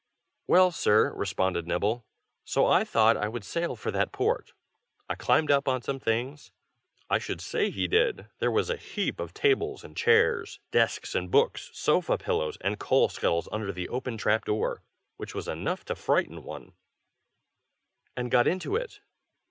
"Well, sir," responded Nibble, "so I thought I would sail for that port. I climbed up on some things" (I should say he did! there was a heap of tables and chairs, desks and books, sofa pillows and coal scuttles, under the open trap door, which was enough to frighten one,) "and got into it.